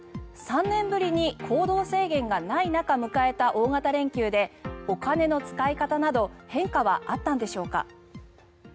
３年ぶりに行動制限がない中迎えた大型連休でお金の使い方など変化はあったんでしょうか。